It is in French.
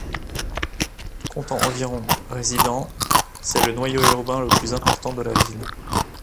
Comptant environ résidents, c'est le noyau urbain le plus important de la ville.